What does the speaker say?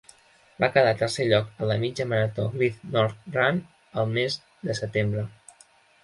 Va quedar tercer lloc a la mitja marató Great North Run el mes de setembre.